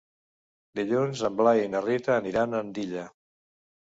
Dilluns en Blai i na Rita aniran a Andilla.